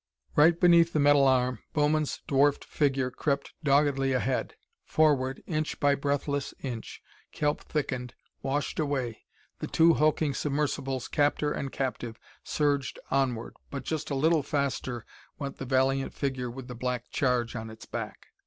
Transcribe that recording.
Right beneath the metal arm, Bowman's dwarfed figure crept doggedly ahead. Forward, inch by breathless inch. Kelp thickened, washed away; the two hulking submersibles, captor and captive, surged onward but just a little faster went the valiant figure with the black charge on its back.